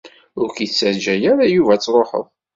Ur k-ittaǧǧa ara Yuba ad tṛuḥeḍ.